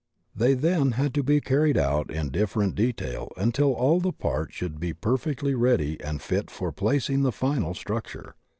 They then had to be carried out in different detail until all the parts should be perfectly ready and fit for plac ing in the final structure.